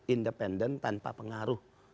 independen tanpa pengaruh